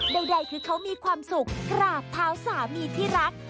ใดคือเขามีความสุขกราบเท้าสามีที่รัก